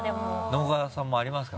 直川さんもありますか？